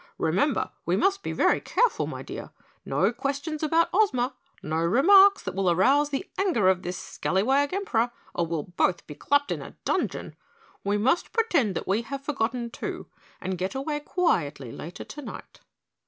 "Remember, we must be very careful, my dear. No questions about Ozma, no remarks that will arouse the anger of this scalawag Emperor, or we'll both be clapped in a dungeon. We must pretend that we have forgotten, too, and get away quietly later tonight."